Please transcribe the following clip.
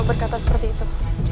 berkata seperti itu